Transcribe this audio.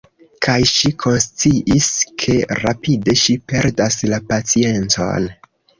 Kaj ŝi konsciis ke rapide ŝi perdas la paciencon.